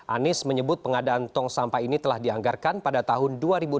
anies menyebut pengadaan tong sampah ini telah dianggarkan pada tahun dua ribu enam belas